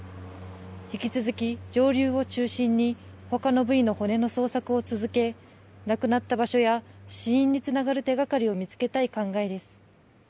引き続き上流を中心にほかの部位の骨の捜索を続け、亡くなった場所や死因につながる手がかりを見つけたい考えです。